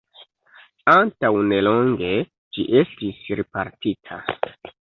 Antaŭnelonge ĝi estis riparita.